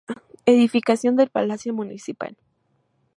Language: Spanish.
Edificación del Palacio Municipal.